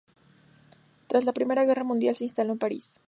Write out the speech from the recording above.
Tras la I Guerra Mundial se instaló en París.